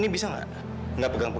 tuan skans temanku